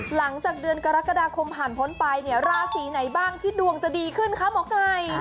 หลังจากเดือนกรกฎาคมผ่านพ้นไปเนี่ยราศีไหนบ้างที่ดวงจะดีขึ้นคะหมอไก่